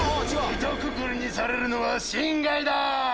ひとくくりにされるのは心外だ！